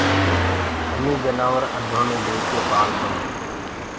همي جنآور اڌو مي ليڪي پآݪدآئونٚ